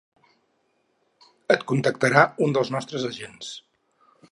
Et contactarà un dels nostres agents.